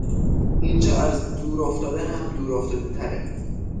اینجااز دور افتاده هم دور افتاده تره